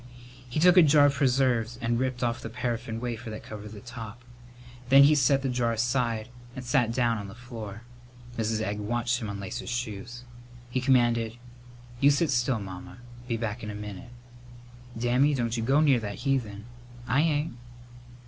He took a jar of preserves and ripped off the paraffin wafer that covered the top. Then he set the jar aside and sat down on the floor. Mrs. Egg watched him unlace his shoes. He commanded, "You sit still, Mamma. Be back in a minute." "Dammy, don't you go near that heathen!" "I ain't."